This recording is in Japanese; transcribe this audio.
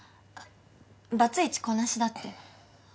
バツイチ子なしだって。